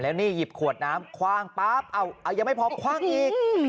นี่หยิบขวดน้ำคว่างปั๊บเอายังไม่พอคว่างอีก